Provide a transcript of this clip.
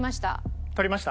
取りました。